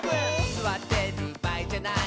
「すわってるばあいじゃない」